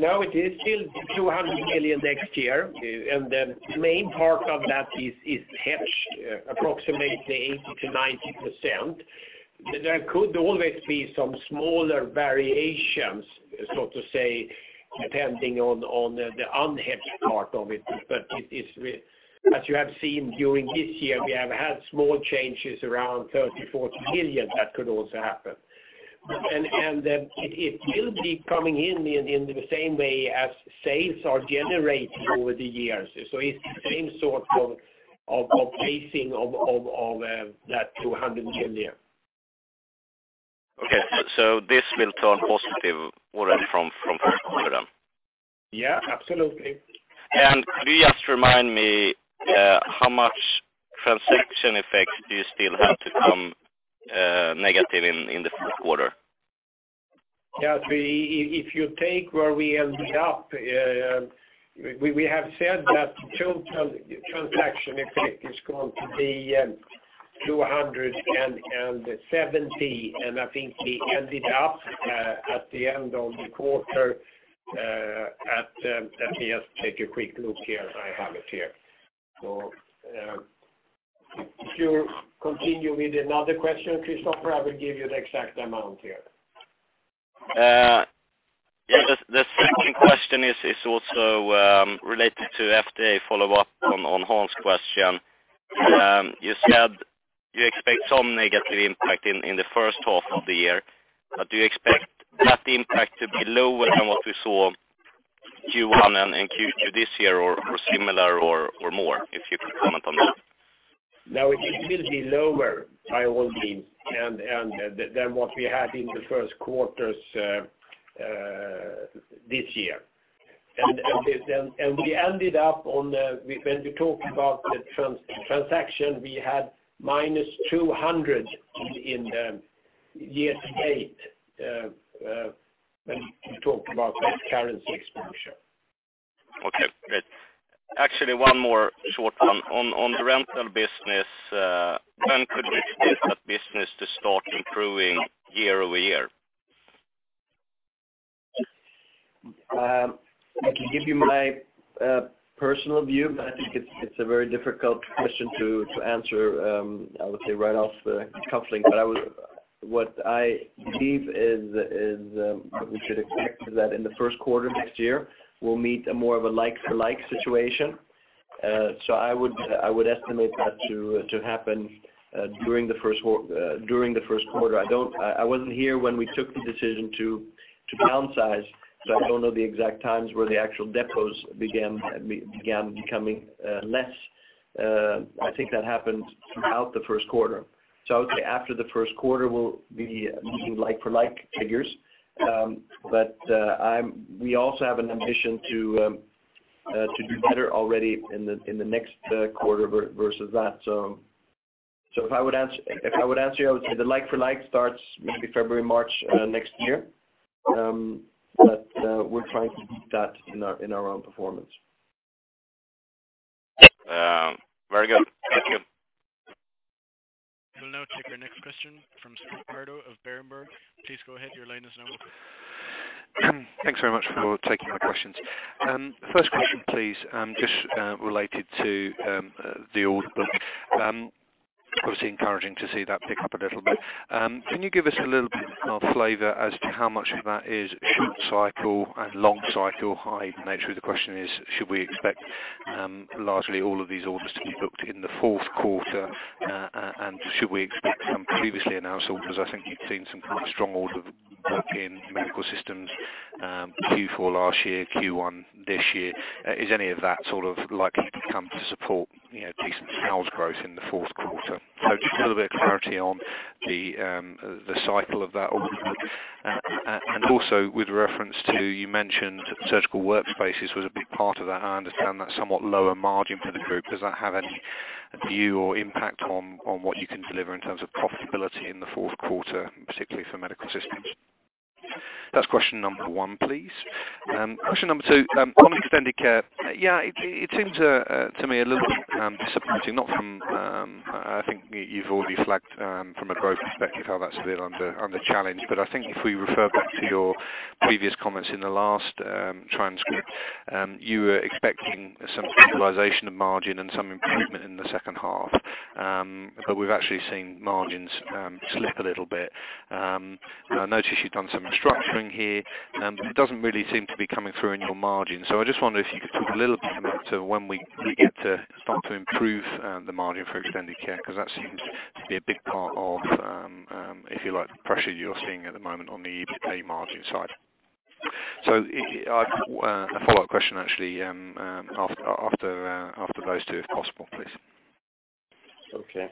Now it is still 200 million next year, and the main part of that is, is hedged, approximately 80%-90%. There could always be some smaller variations, so to say, depending on the unhedged part of it, but it is. As you have seen during this year, we have had small changes around 30-40 million, that could also happen. And it will be coming in in the same way as sales are generated over the years. So it's the same sort of of that 200 million. ... Okay, so this will turn positive order from Q1 then? Yeah, absolutely. Could you just remind me, how much transaction effect do you still have to come, negative in the Q1? Yeah, so if you take where we ended up, we have said that total transaction effect is going to be 270, and I think we ended up at the end of the quarter at, let me just take a quick look here. I have it here. So, if you continue with another question, Kristofer, I will give you the exact amount here. Yeah, the second question is also related to FDA follow-up on Hans' question. You said you expect some negative impact in the first half of the year, but do you expect that impact to be lower than what we saw Q1 and Q2 this year, or similar or more? If you could comment on that. Now, it will be lower, by all means, and than what we had in the Q1s this year. And this, we ended up on the, when we talk about the translation, we had -200 in year to date, when we talked about that currency exposure. Okay, great. Actually, one more short one. On the rental business, when could we expect that business to start improving year-over-year? I can give you my personal view, but I think it's a very difficult question to answer. I would say, right off the cuff. But what I believe is, we should expect that in the Q1 next year, we'll meet more of a like-for-like situation. So I would estimate that to happen during the Q1. I don't... I wasn't here when we took the decision to downsize, so I don't know the exact times where the actual depots began becoming less. I think that happened throughout the Q1. So I would say after the Q1, we'll be looking like-for-like figures. But we also have an ambition to do better already in the next quarter versus that. So if I would answer you, I would say the like for like starts maybe February, March next year. But we're trying to beat that in our own performance. Very good. Thank you. We'll now take our next question from Scott Bardo of Berenberg. Please go ahead, your line is now open. Thanks very much for taking my questions. First question, please, just related to the order book. Obviously encouraging to see that pick up a little bit. Can you give us a little bit more flavor as to how much of that is short cycle and long cycle? Let me make sure the question is, should we expect largely all of these orders to be booked in the Q4? And should we expect some previously announced orders? Because I think you've seen some quite strong order book in Medical Systems, Q4 last year, Q1 this year. Is any of that sort of likely to come to support, you know, decent sales growth in the Q4? So just a little bit of clarity on the cycle of that order. Also, with reference to you mentioned Surgical Workplaces was a big part of that. I understand that somewhat lower margin for the group. Does that have any view or impact on what you can deliver in terms of profitability in the Q4, particularly for Medical Systems? That's question number one, please. Question number two, on Extended Care. Yeah, it seems to me a little bit disappointing, not from, I think you've already flagged, from a growth perspective, how that's a bit under challenge. But I think if we refer back to your previous comments in the last transcript, you were expecting some stabilization of margin and some improvement in the second half. But we've actually seen margins slip a little bit. I noticed you've done some restructuring here, and it doesn't really seem to be coming through in your margin. So I just wondered if you could talk a little bit more to when we get to start to improve the margin for Extended Care, because that seems to be a big part of, if you like, the pressure you're seeing at the moment on the EBITA margin side. So, a follow-up question, actually, after those two, if possible, please. Okay.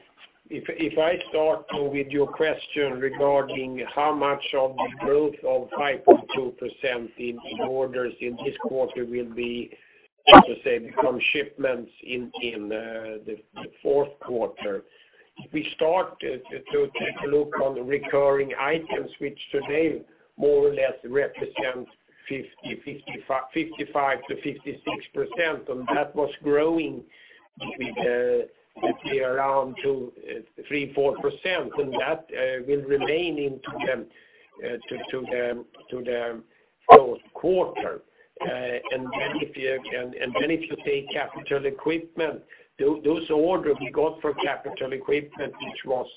If I start with your question regarding how much of the growth of 5.2% in orders in this quarter will be, how to say, become shipments in the Q4. We start to take a look on the recurring items, which today more or less represent 55%-56%, and that was growing with, let's say around 2, 3, 4%, and that will remain into the Q4. And then if you take capital equipment, those orders we got for capital equipment, which was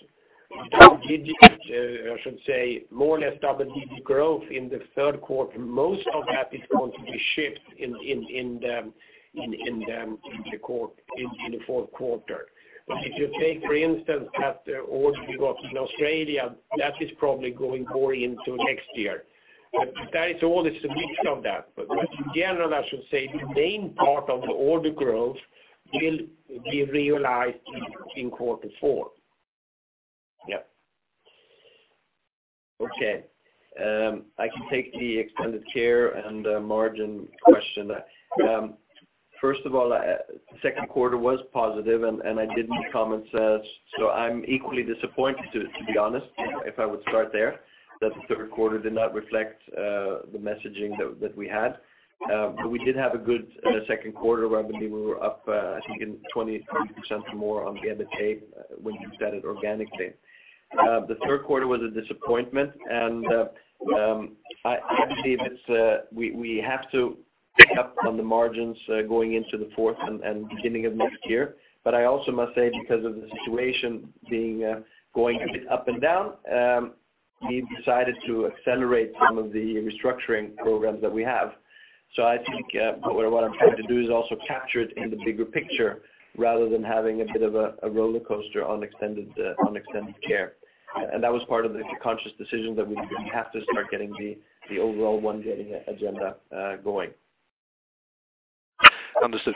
double-digit, I should say, more or less double-digit growth in the Q3, most of that is going to be shipped in the Q4. But if you take, for instance, that order we got in Australia, that is probably going more into next year. But that is all the submission of that. But in general, I should say, the main part of the order growth will be realized in quarter four. Yep. Okay, I can take the Extended Care and margin question. First of all, Q2 was positive, and I did comment, so I'm equally disappointed, to be honest, if I would start there, that the Q3 did not reflect the messaging that we had. But we did have a good Q2 where I believe we were up, I think in 20-20% or more on the EBITA when you said it organically. The Q3 was a disappointment, and I believe we have to pick up on the margins going into the fourth and beginning of next year. But I also must say, because of the situation being going a bit up and down, we've decided to accelerate some of the restructuring programs that we have. So I think what I'm trying to do is also capture it in the bigger picture rather than having a bit of a rollercoaster on Extended Care. And that was part of the conscious decision that we have to start getting the overall Getinge agenda going. Understood.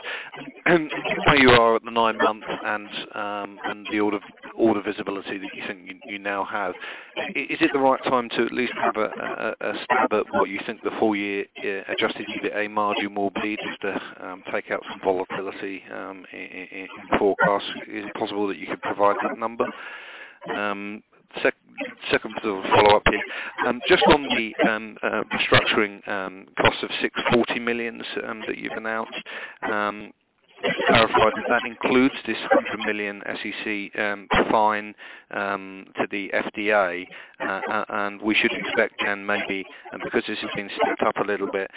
Where you are at the nine-month and the order visibility that you think you now have, is it the right time to at least have a stab at what you think the full year adjusted EBITA margin will be, just to take out some volatility in forecast? Is it possible that you could provide that number? Second follow-up here. Just on the restructuring cost of 640 million that you've announced, clarify, does that includes this 100 million SEK fine to the FDA? And we should expect, and maybe because this has been slipped up a little bit,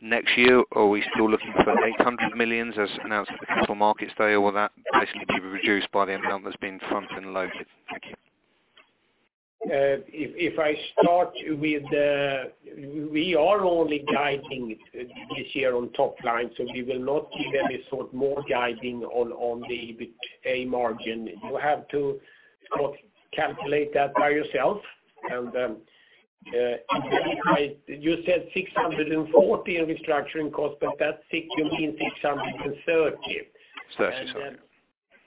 next year, are we still looking for 800 million as announced at the Capital Markets Day, or will that basically be reduced by the amount that's been front-loaded? Thank you. If I start with the, we are only guiding this year on top line, so we will not give any sort more guiding on the EBITA margin. You have to sort calculate that by yourself. And you said 640 in restructuring cost, but that's 6, you mean 630. Thirty, sorry.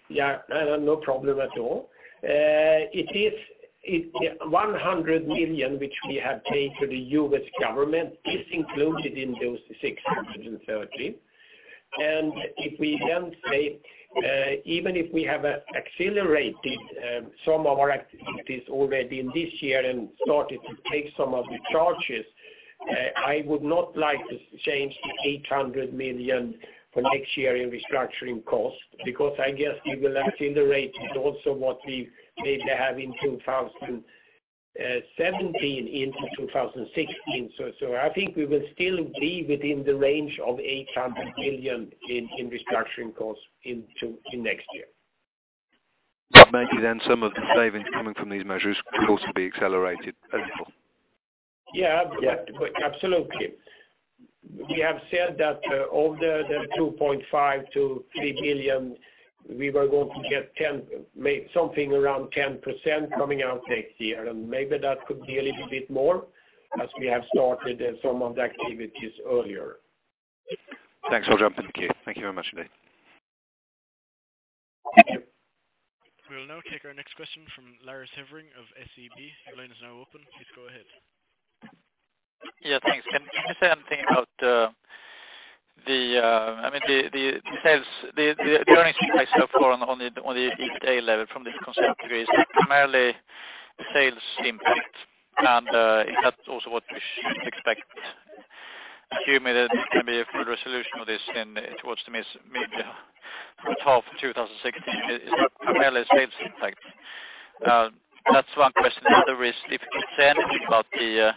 Yeah, no problem at all. It is, it, $100 million, which we have paid to the U.S. government, is included in those $630 million. If we then say, even if we have accelerated some of our activities already in this year and started to take some of the charges, I would not like to change the $800 million for next year in restructuring cost, because I guess we will accelerate it also what we maybe have in 2017 into 2016. I think we will still be within the range of $800 million in restructuring costs in next year. Maybe then some of the savings coming from these measures could also be accelerated as well. Yeah, yeah, absolutely. We have said that, of the 2.5-3 billion, we were going to get 10, make something around 10% coming out next year, and maybe that could be a little bit more as we have started some of the activities earlier. Thanks for jumping in. Thank you very much today. Thank you. We will now take our next question from Lars Hevreng of SEB. Your line is now open. Please go ahead. Yeah, thanks. Can you say anything about, I mean, the sales, the earnings so far on the EBITDA level from the Consent Decree is primarily sales impact, and is that also what we should expect? Assume that there can be a full resolution of this in towards the mid, mid-half of 2016. Is it primarily sales impact? That's one question. The other is, if you can say anything about the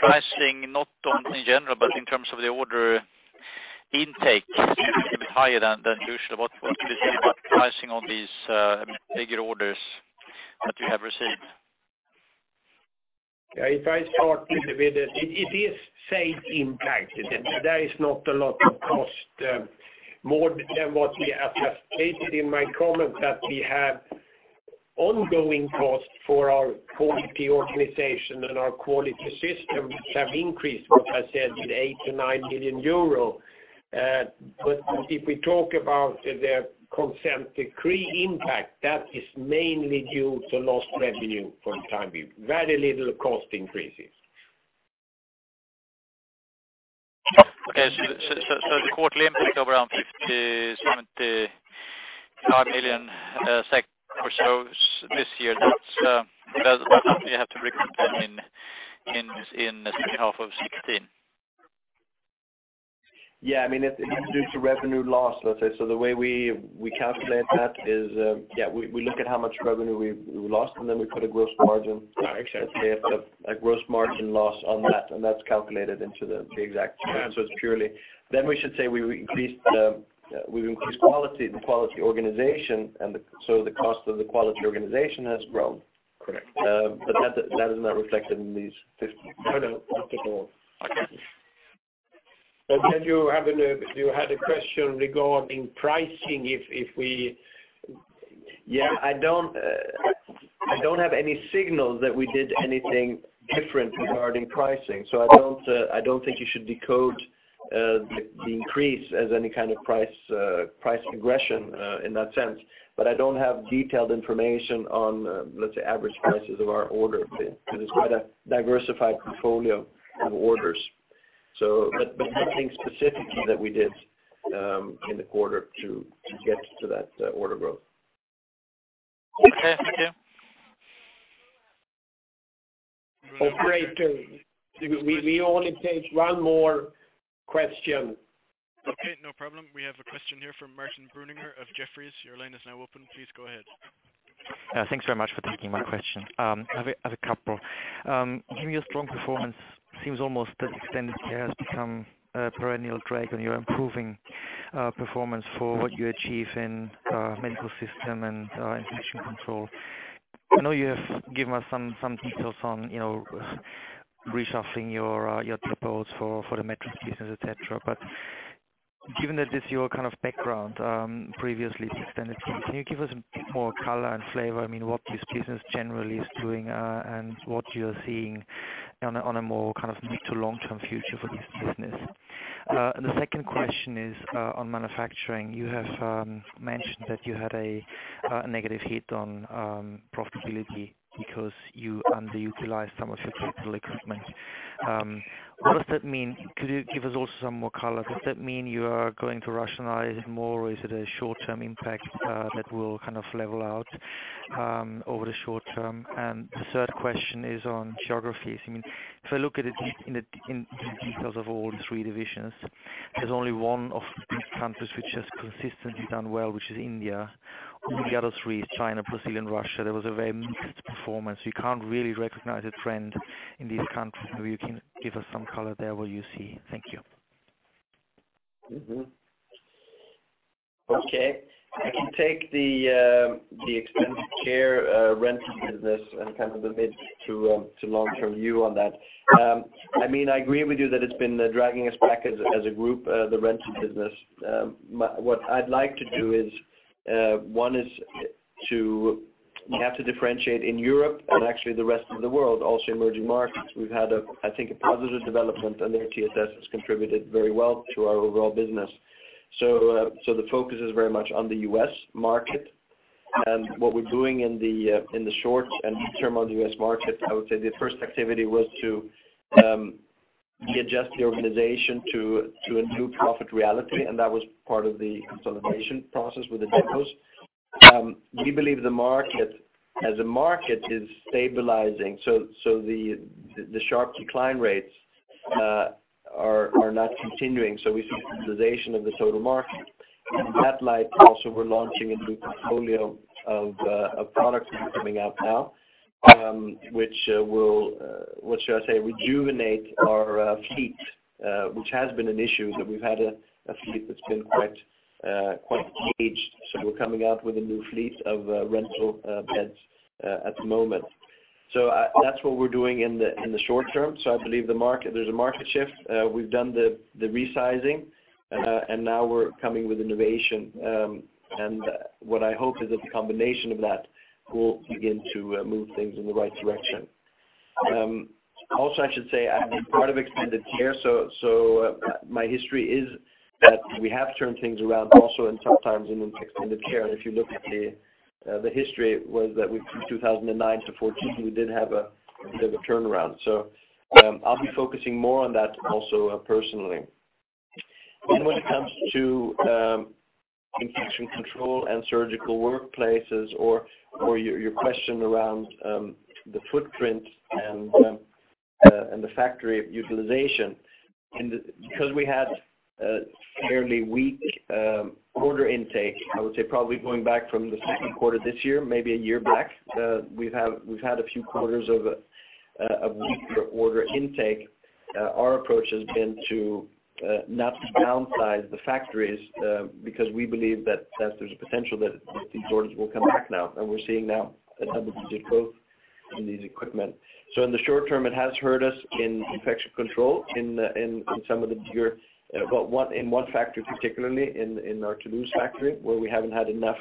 pricing, not on in general, but in terms of the order intake, a bit higher than usual. What is it about pricing on these bigger orders that you have received? Yeah, if I start with the... It is sales impact. There is not a lot of cost, more than what we, as I stated in my comment, that we have ongoing costs for our quality organization and our quality system have increased, what I said, 8 million-9 million euro. But if we talk about the Consent Decree impact, that is mainly due to lost revenue from Time view. Very little cost increases. Okay, so the quarterly impact over 50-75 million SEK or so this year, that's that you have to recognize in the second half of 2016. Yeah, I mean, it's due to revenue loss, let's say. So the way we calculate that is, yeah, we look at how much revenue we lost, and then we put a gross margin- Got it. a gross margin loss on that, and that's calculated into the exact answer. It's purely... Then we should say we increased the quality organization, and so the cost of the quality organization has grown. Correct. But that is not reflected in these 50 (crosstalk) And then you had a question regarding pricing, if we-- Yeah, I don't have any signals that we did anything different regarding pricing, so I don't think you should decode the increase as any kind of price aggression in that sense. But I don't have detailed information on, let's say, average prices of our order because it's quite a diversified portfolio of orders. So but nothing specifically that we did in the quarter to get to that order growth. Okay, thank you. Operator, we only take one more question. Okay, no problem. We have a question here from Martin Brunninger of Jefferies. Your line is now open. Please go ahead. Thanks very much for taking my question. I have a couple. Given your strong performance, seems almost that Extended Care has become a perennial drag on your improving performance for what you achieve in Medical Systems and Infection Control. I know you have given us some details on, you know, reshuffling your proposals for the Maquet business, et cetera. But given that this is your kind of background, previously Extended, can you give us more color and flavor, I mean, what this business generally is doing and what you're seeing on a more kind of mid to long-term future for this business? The second question is on manufacturing. You have mentioned that you had a negative hit on profitability because you underutilized some of your capital equipment. What does that mean? Could you give us also some more color? Does that mean you are going to rationalize it more, or is it a short-term impact, that will kind of level out, over the short term? And the third question is on geographies. I mean, if I look at it in the details of all three divisions, there's only one of countries which has consistently done well, which is India. The other three, China, Brazil, and Russia, there was a very mixed performance. You can't really recognize a trend in these countries. Maybe you can give us some color there, what you see. Thank you. Okay. I can take the Extended Care rental business and kind of the mid- to long-term view on that. I mean, I agree with you that it's been dragging us back as a group, the rental business. My-- what I'd like to do is, one is to... We have to differentiate in Europe and actually the rest of the world, also emerging markets. We've had a, I think, a positive development, and their TSS has contributed very well to our overall business. So the focus is very much on the U.S. market, and what we're doing in the short and long term on the U.S. market. I would say the first activity was to readjust the organization to a new profit reality, and that was part of the consolidation process with the depots. We believe the market, as a market, is stabilizing, so the sharp decline rates are not continuing, so we see stabilization of the total market. In that light, also, we're launching a new portfolio of products that are coming out now, which will, what should I say, rejuvenate our fleet, which has been an issue, that we've had a fleet that's been quite aged. So we're coming out with a new fleet of rental beds at the moment. So that's what we're doing in the short term. So I believe the market. There's a market shift. We've done the resizing and now we're coming with innovation. And what I hope is that the combination of that will begin to move things in the right direction. Also, I should say, I've been part of Extended Care, so my history is that we have turned things around also in tough times in Extended Care. And if you look at the history was that we from 2009 to 2014, we did have a bit of a turnaround. So I'll be focusing more on that also personally. When it comes to Infection control and Surgical Workplaces or your question around the footprint and the factory utilization, because we had a fairly weak order intake, I would say probably going back from the Q2 this year, maybe a year back, we've had a few quarters of a weaker order intake. Our approach has been to not to downsize the factories, because we believe that there's a potential that these orders will come back now, and we're seeing now a double-digit growth in these equipment. So in the short term, it has hurt us in Infection control, in some of the gear, but one factor, particularly in our Toulouse factory, where we haven't had enough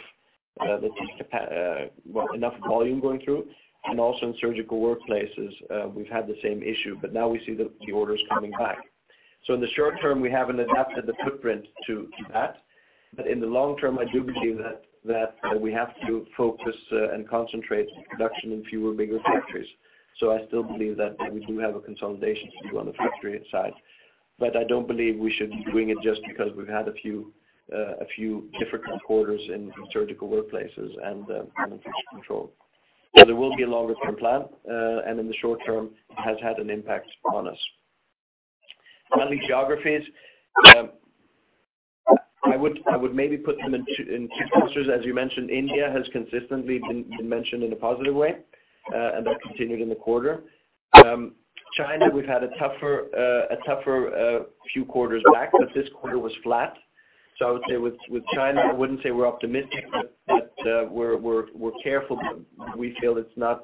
volume going through, and also in Surgical Workplaces, we've had the same issue, but now we see the orders coming back. So in the short term, we haven't adapted the footprint to that, but in the long term, I do believe that we have to focus and concentrate production in fewer, bigger factories. So I still believe that we do have a consolidation to do on the factory side, but I don't believe we should doing it just because we've had a few difficult quarters in Surgical Workplaces and in Infection control. There will be a longer-term plan, and in the short term, it has had an impact on us. On the geographies, I would maybe put them in two clusters. As you mentioned, India has consistently been mentioned in a positive way, and that continued in the quarter. China, we've had a tougher few quarters back, but this quarter was flat. So I would say with China, I wouldn't say we're optimistic, but we're careful. We feel it's not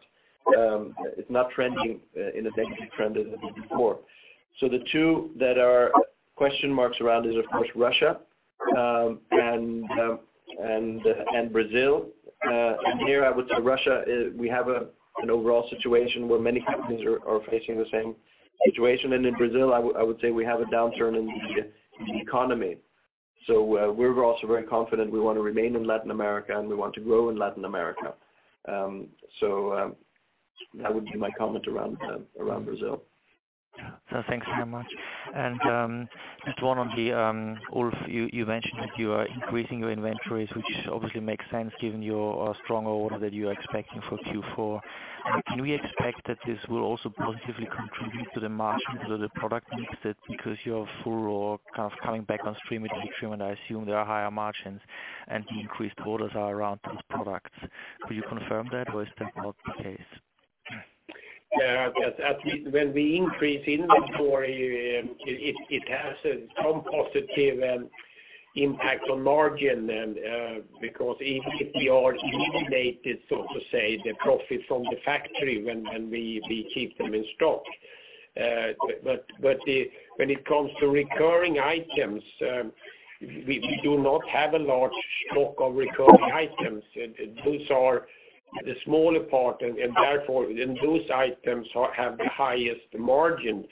trending in a negative trend as it was before. So the two that are question marks around is, of course, Russia and Brazil. And here, I would say Russia is we have an overall situation where many companies are facing the same situation. And in Brazil, I would say we have a downturn in the economy. So, we're also very confident we want to remain in Latin America, and we want to grow in Latin America. So, that would be my comment around Brazil. So thanks very much. Just one on the Ulf, you mentioned that you are increasing your inventories, which obviously makes sense given your strong order that you are expecting for Q4. Can we expect that this will also positively contribute to the margin of the product mix, that because you're full or kind of coming back on stream with Extreme, and I assume there are higher margins, and the increased orders are around these products. Will you confirm that, or is that not the case? Yes. At least when we increase inventory, it has some positive impact on margin, and because even if we are eliminated, so to say, the profit from the factory when we keep them in stock. But when it comes to recurring items, we do not have a large stock of recurring items. Those are the smaller part, and therefore, those items have the highest margin.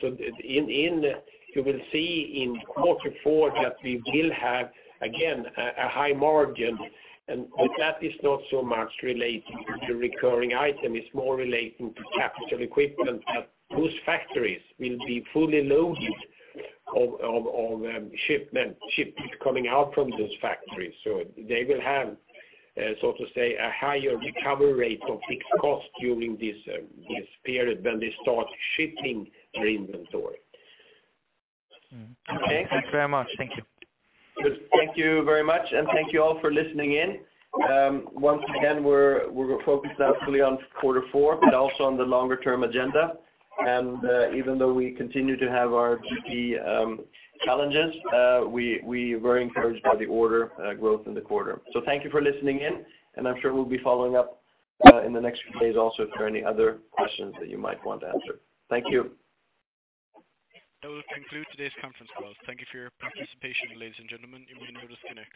So you will see in quarter four that we will have, again, a high margin, and that is not so much relating to recurring item, it's more relating to capital equipment, that those factories will be fully loaded with shipments coming out from those factories. So they will have, so to say, a higher recovery rate of fixed cost during this period when they start shipping the inventory. Mm-hmm. Okay? Thanks very much. Thank you. Good. Thank you very much, and thank you all for listening in. Once again, we're focused obviously on quarter four, but also on the longer term agenda. Even though we continue to have our GP challenges, we were encouraged by the order growth in the quarter. Thank you for listening in, and I'm sure we'll be following up in the next few days also, if there are any other questions that you might want answered. Thank you. That will conclude today's conference call. Thank you for your participation, ladies and gentlemen. You may disconnect.